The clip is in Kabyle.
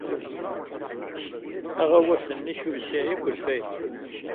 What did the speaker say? Aɣawas-nnek ur yesɛi akk lfayda.